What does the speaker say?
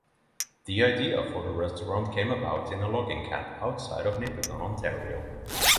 The idea for the restaurant came about in a logging camp outside Nipigon, Ontario.